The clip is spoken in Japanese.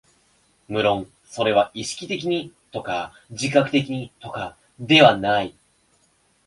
無論それは意識的にとか自覚的にとかいうのではない。